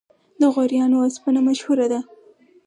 د غوریان وسپنه مشهوره ده